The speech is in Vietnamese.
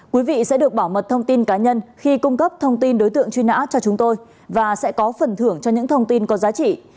quý vị sẽ được bảo mật thông tin cá nhân khi cung cấp thông tin đối tượng truy nã cho chúng tôi và sẽ có phần thưởng cho những thông tin có giá trị